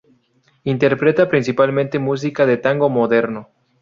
Interpreta principalmente música de tango moderno.